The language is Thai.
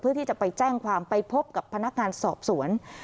เพื่อที่จะไปแจ้งความไปพบกับพนักงานสอบสวน